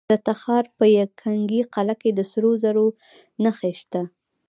د تخار په ینګي قلعه کې د سرو زرو نښې شته.